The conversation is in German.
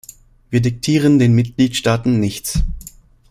Wir diktieren den Mitgliedstaaten nichts.